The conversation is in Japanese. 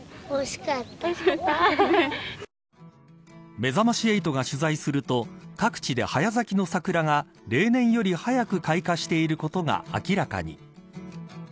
めざまし８が取材すると各地で早咲きの桜が例年より早く開花していることが明らかに。